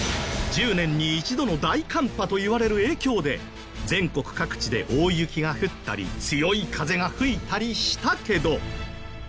１０年に一度の大寒波といわれる影響で全国各地で大雪が降ったり強い風が吹いたりしたけど。